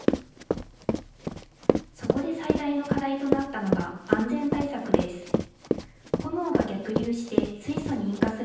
そこで最大の課題となったのが、安全対策です。